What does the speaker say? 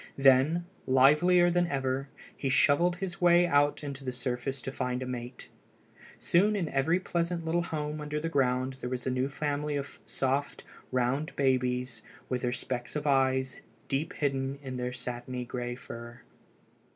Then, livelier than ever, he shovelled his way out to the surface to find a mate. Soon in every pleasant little home under the ground there was a new family of soft, round babies, with their specks of eyes deep hidden in their satiny gray fur.